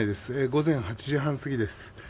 午前８時半過ぎです。